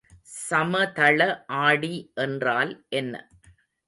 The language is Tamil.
சமதள ஆடி என்றால் என்ன?